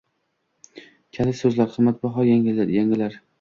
Kalit so'zlar: qimmatbaho yangilar